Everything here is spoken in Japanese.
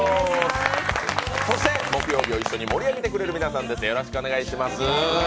そして木曜日を一緒に盛り上げてくれる皆さんです。